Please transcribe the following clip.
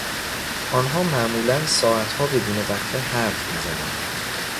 آنها معمولا ساعتها بدون وقفه حرف میزنند.